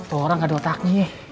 tuh orang ada otaknya